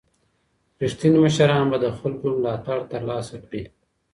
رښتیني مشران به د خلګو ملاتړ ترلاسه کړي.